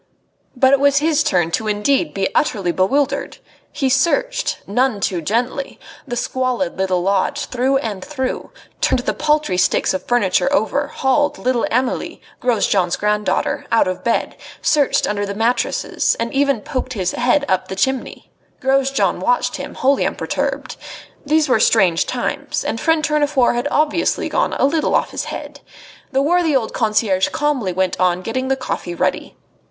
But it was his turn indeed to be utterly bewildered. He searched none too gently the squalid little lodge through and through, turned the paltry sticks of furniture over, hauled little Amelie, Grosjean's granddaughter, out of bed, searched under the mattresses, and even poked his head up the chimney. Grosjean watched him wholly unperturbed. These were strange times, and friend Tournefort had obviously gone a little off his head. The worthy old concierge calmly went on getting the coffee ready.